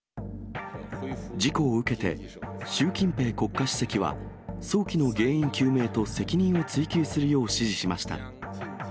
事故を受けて、習近平国家主席は、早期の原因究明と責任を追及するよう指示しました。